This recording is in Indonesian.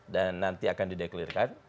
dan nanti akan dideklarirkan